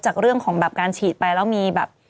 จากเรื่องของแบบการฉีดไปแล้วมีแบบ